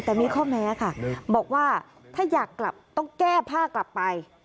แต่มีข้อแม้ค่ะบอกว่าถ้าอยากกลับต้องแก้ผ้ากลับไป